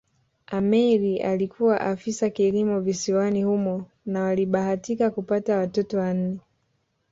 Ameir alikuwa ofisa kilimo visiwani humo na walibahatika kupata watoto wanne